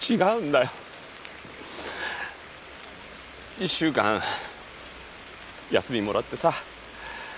１週間休みもらってさ